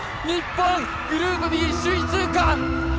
日本、グループＢ首位通過！